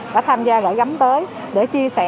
đã tham gia gửi gắm tới để chia sẻ